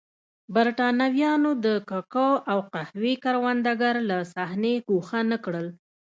برېټانویانو د کوکو او قهوې کروندګر له صحنې ګوښه نه کړل.